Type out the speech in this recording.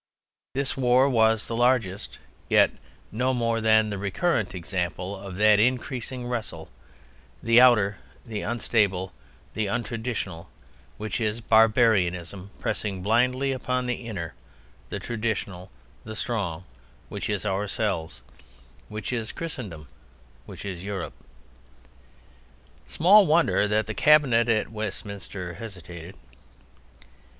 This war was the largest, yet no more than the recurrent, example of that unceasing wrestle: the outer, the unstable, the untraditional—which is barbarism—pressing blindly upon the inner, the traditional, the strong—which is Ourselves: which is Christendom: which is Europe. Small wonder that the Cabinet at Westminster hesitated!